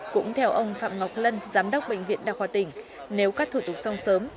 cũng theo ông phạm ngọc lân giám đốc bệnh viện đa khoa tỉnh nếu các thủ tục xong sớm